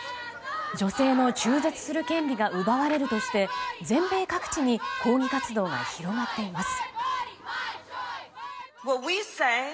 女性の中絶する権利が奪われるとして全米各地に抗議活動が広がっています。